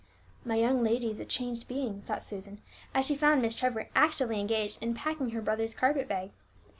"My young lady is a changed being," thought Susan, as she found Miss Trevor actively engaged in packing her brother's carpet bag.